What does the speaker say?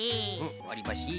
わりばし。